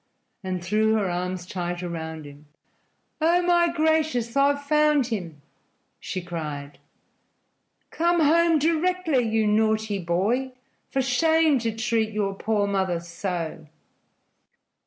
and threw her arms tight around him. "Oh, my gracious, I've found him!" she cried. "Come home directly, you naughty boy! For shame, to treat your poor mother so!"